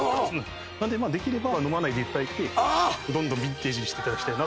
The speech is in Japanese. なのでできれば飲まないでいただいてどんどんビンテージにしていただきたいな。